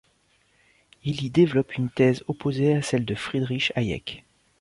Il y développe une thèse opposée à celle de Friedrich Hayek.